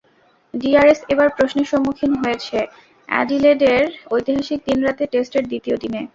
DRS এবার প্রশ্নের সম্মুখীন হয়েছে অ্যাডিলেডের ঐতিহাসিক দিনরাতের টেস্টের দ্বিতীয় দিনে।